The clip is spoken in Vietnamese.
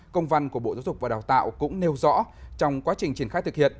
công văn của bộ giáo dục và đào tạo cũng nêu rõ trong quá trình triển khai thực hiện